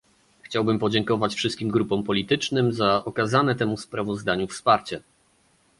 Chciałbym podziękować wszystkim grupom politycznym za okazane temu sprawozdaniu wsparcie